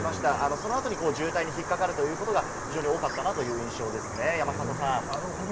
そのあたり渋滞に引っかかるというところが多かったかなという印象ですね、山里さん。